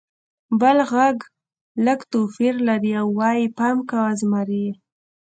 بل غږ لږ توپیر لري او وایي: «پام کوه! زمری!»